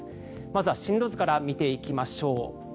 まずは進路図から見ていきましょう。